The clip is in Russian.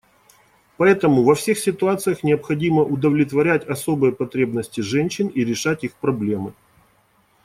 Поэтому во всех ситуациях необходимо удовлетворять особые потребности женщин и решать их проблемы.